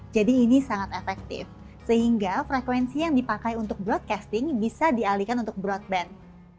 jadi ini sangat efektif sehingga frekuensi yang dipakai untuk broadcasting bisa dialihkan untuk broadband